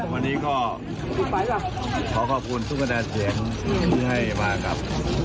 วันนี้ก็ขอขอบคุณทุกคะแนนเสียงที่ให้มากับ